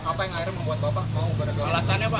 apa yang akhirnya membuat bapak